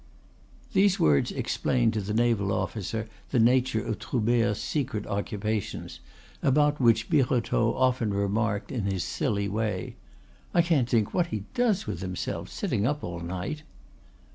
These words explained to the naval officer the nature of Troubert's secret occupations, about which Birotteau often remarked in his silly way: "I can't think what he does with himself, sitting up all night."